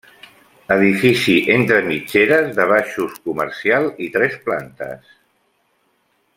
Edifici entre mitgeres de baixos comercial i tres plantes.